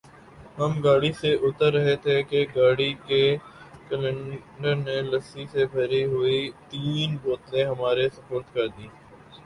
ہم گاڑی سے اتر رہے تھے کہ گاڑی کے کلنڈر نے لسی سے بھری ہوئی تین بوتلیں ہمارے سپرد کر دیں